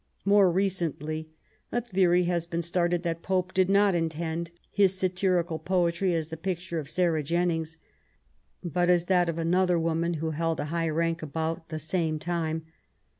More recently a theory has been started that Pope did not intend his satirical poetry as the picture of Sarah Jennings, but as that of another woman who held a high rank about the same time.